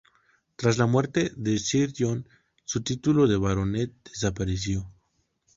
Tras la muerte de Sir John su título de baronet desapareció.